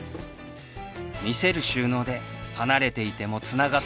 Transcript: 見せる収納で離れていてもつながっている